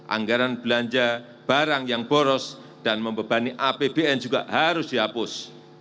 anggaran belanja barang yang boros dan membebani apbn juga harus dihapus